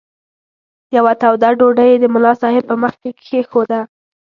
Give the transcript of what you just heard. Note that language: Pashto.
یوه توده ډوډۍ یې د ملا صاحب په مخ کې کښېښوده.